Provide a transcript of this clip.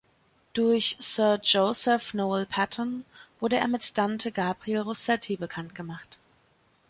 Durch Sir Joseph Noel Paton wurde er mit Dante Gabriel Rossetti bekannt gemacht.